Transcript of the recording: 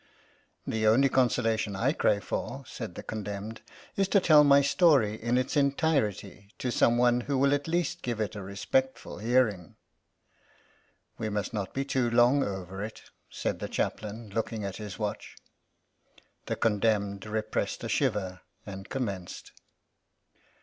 "The only consolation I crave for," said the condemned, *'is to tell my story in its entirety to some one who will at least give it a respectful hearing." "We must not be too long over it," said the Chaplain, looking at his watch. The condemned repressed a shiver and commenced.